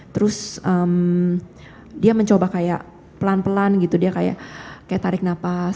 terus dia mencoba kayak pelan pelan gitu dia kayak tarik napas